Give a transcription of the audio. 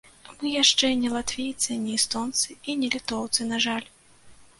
Мы яшчэ не латвійцы, не эстонцы і не літоўцы, на жаль.